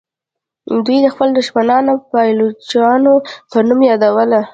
دوی خپل دښمنان د پایلوچانو په نوم یادول.